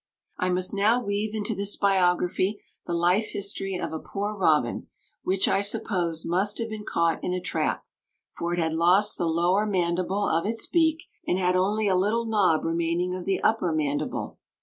I must now weave into this biography the life history of a poor robin which, I suppose, must have been caught in a trap, for it had lost the lower mandible of its beak, and had only a little knob remaining of the upper mandible.